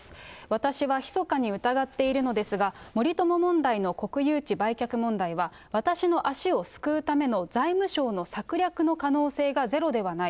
私はひそかに疑っているのですが、森友問題の国有地売却問題は、私の足をすくうための財務省の策略の可能性がゼロではない。